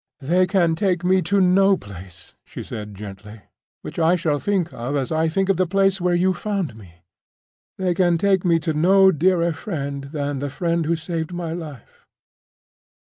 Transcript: "They can take me to no place," she said, gently, "which I shall think of as I think of the place where you found me. They can take me to no dearer friend than the friend who saved my life."